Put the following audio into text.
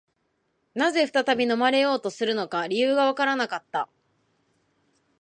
何故再び飲まれようとするのか、理由がわからなかった